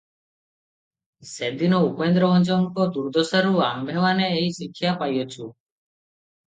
ସେଦିନ ଉପେନ୍ଦ୍ରଭଞ୍ଜଙ୍କ ଦୁର୍ଦ୍ଦଶାରୁ ଆମ୍ଭେମାନେ ଏହି ଶିକ୍ଷା ପାଇଅଛୁ ।